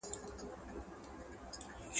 که اورېدل کېږي نو غلط فهمي نه زیاتېږي.